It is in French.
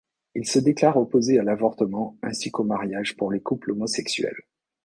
Il se déclare opposé à l’avortement ainsi qu'au mariage pour les couples homosexuels.